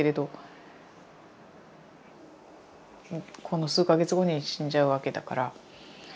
この数か月後に死んじゃうわけだから。